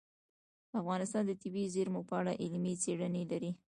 افغانستان د طبیعي زیرمې په اړه علمي څېړنې لري.